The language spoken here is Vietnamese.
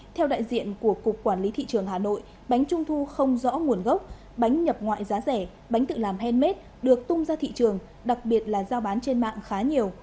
theo đại diện của cục quản lý thị trường hà nội bánh trung thu không rõ nguồn gốc bánh nhập ngoại giá rẻ bánh tự làm handmade được tung ra thị trường đặc biệt là giao bán trên mạng khá nhiều